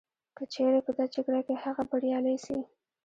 که چیري په دا جګړه کي هغه بریالی سي